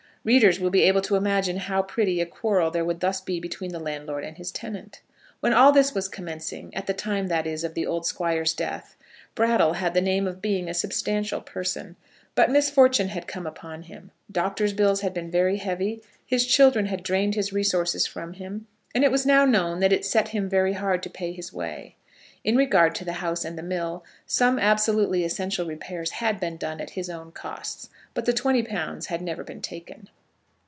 Readers will be able to imagine how pretty a quarrel there would thus be between the landlord and his tenant. When all this was commencing, at the time, that is, of the old Squire's death, Brattle had the name of being a substantial person; but misfortune had come upon him; doctors' bills had been very heavy, his children had drained his resources from him, and it was now known that it set him very hard to pay his way. In regard to the house and the mill, some absolutely essential repairs had been done at his own costs; but the £20 had never been taken.